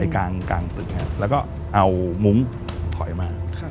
กลางตึกแล้วก็เอามุ้งถอยมา